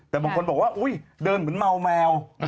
แต่บางคนบอกว่าอุ๊ยเดินเหมือนเมาแมว